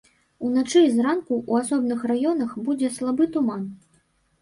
Уначы і зранку ў асобных раёнах будзе слабы туман.